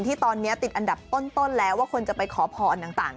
ที่ตอนนี้ติดอันดับต้นแล้วว่าคนจะไปขอพรต่าง